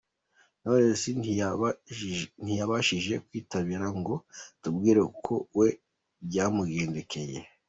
Knowless ntiyabashije kutwitaba ngo atubwire uko we byamugendekeye.